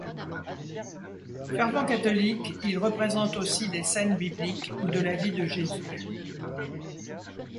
Fervent catholique, il représente aussi des scènes bibliques ou de la vie de Jesus.